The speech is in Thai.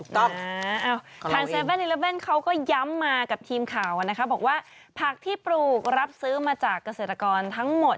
ทาง๗๑๑เขาก็ย้ำมากับทีมข่าวนะคะบอกว่าผักที่ปลูกรับซื้อมาจากเกษตรกรทั้งหมด